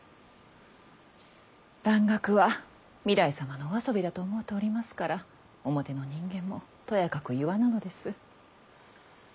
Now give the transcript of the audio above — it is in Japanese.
蘭学は御台様のお遊びだと思うておりますから表の人間もとやかく言わぬのです。